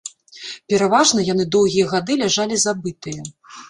Пераважна яны доўгія гады ляжалі забытыя.